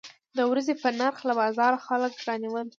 د ورځې په نرخ له بازاره خلک راونیول.